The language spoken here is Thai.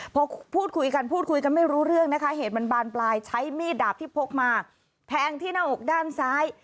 พอพูดคุยกันพูดคุยกันไม่รู้เรื่องนะคะเหตุมันบานปลายใช้มีดดาบที่พกมาแทงที่หน้าอกด้านซ้าย